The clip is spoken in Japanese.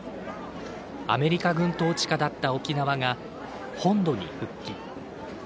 アメリカ軍統治下だった沖縄が本土に復帰。